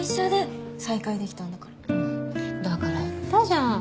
だから言ったじゃん